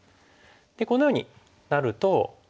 このようになると。